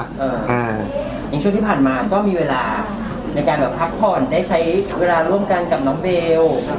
ในช่วงที่ผ่านมาก็มีเวลาในการแบบพักผ่อนได้ใช้เวลาร่วมกันกับน้องเบล